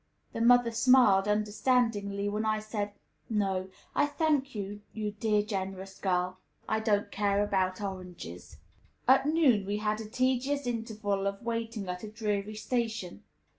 The mother smiled, understandingly, when I said, "No, I thank you, you dear, generous little girl; I don't care about oranges." At noon we had a tedious interval of waiting at a dreary station.